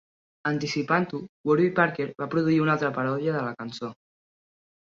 Anticipant-ho, Warby Parker va produir una altra paròdia de la cançó.